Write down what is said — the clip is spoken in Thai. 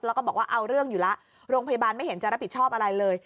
แล้วก็บอกว่าเอาเรื่องอยู่แล้วโรงพยาบาลไม่เห็นจะรับผิดชอบอะไรเลย